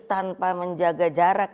tanpa menjaga jarak